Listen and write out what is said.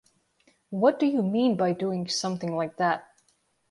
What do you mean by doing something like that?